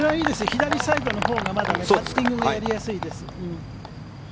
左サイドのほうがまだパッティングがやりやすいです。